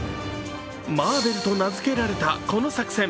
「マーベル」と名付けられたこの作戦。